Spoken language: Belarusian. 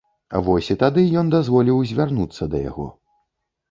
Вось і тады ён дазволіў звярнуцца да яго.